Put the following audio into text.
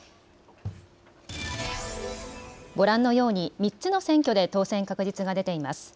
ご覧のように３つの選挙で当選確実が出ています。